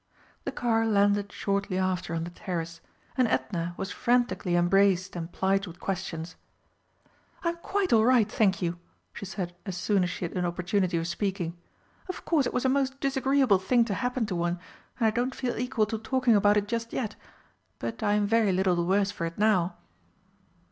The car landed shortly after on the terrace, and Edna was frantically embraced and plied with questions. "I am quite all right, thank you," she said as soon as she had an opportunity of speaking. "Of course it was a most disagreeable thing to happen to one, and I don't feel equal to talking about it just yet but I am very little the worse for it now."